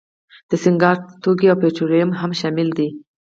د سینګار توکي او پټرولیم هم شامل دي.